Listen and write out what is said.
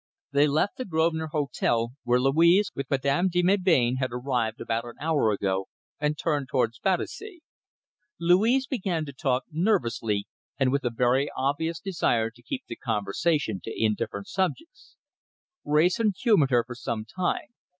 They left the Grosvenor Hotel, where Louise, with Madame de Melbain, had arrived about an hour ago, and turned towards Battersea. Louise began to talk, nervously, and with a very obvious desire to keep the conversation to indifferent subjects. Wrayson humoured her for some time.